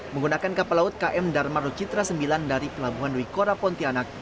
menggunakan kapal laut km dharma rocitra sembilan dari pelabuhan wikora pontianak